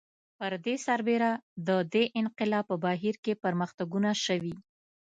پر دې سربېره د دې انقلاب په بهیر کې پرمختګونه شوي